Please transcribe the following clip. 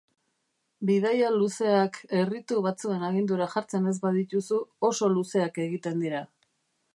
Bidaia luzeak erritu batzuen agindura jartzen ez badituzu oso luzeak egiten dira.